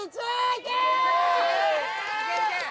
・いけいけ！